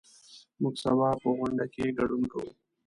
موږ سبا په غونډه کې ګډون کوو.